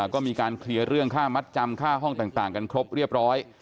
ก็มีการเคลียร์เรื่องค่ามัดจำค่าห้องต่างกันครบเรียบร้อย